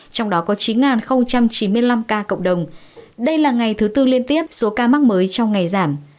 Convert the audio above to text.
trong đó có chín chín mươi năm ca cộng đồng đây là ngày thứ tư liên tiếp số ca mắc mới trong ngày giảm